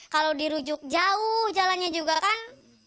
kalau dirujuk jauh jalannya juga kan